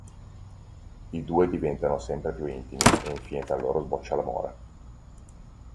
I due diventano sempre più intimi e infine tra loro sboccia l'amore.